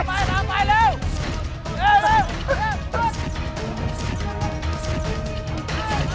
ไม่อะไรแล้ว